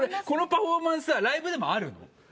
このパフォーマンスはライブでもあるの？